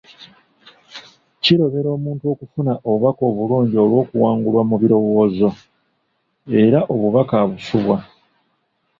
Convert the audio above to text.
Kirobera omuntu okufuna obubaka obulungi olw’okuwagulwa mu birowoozo, era obubaka abusubwa .